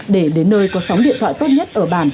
để đến nơi có sóng điện thoại tốt nhất ở bản